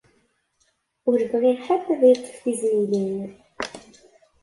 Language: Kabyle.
Ur bɣiɣ ḥedd ad yeṭṭef tizmilin!